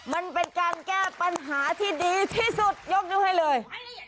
มันเป็นการแก้ปัญหาที่ดีที่สุดยกนิ้วให้เลย